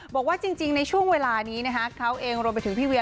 บอกว่าจริงในช่วงเวลานี้นะคะเขาเองรวมไปถึงพี่เวีย